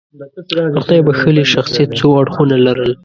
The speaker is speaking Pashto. د خدای بښلي شخصیت څو اړخونه لرل.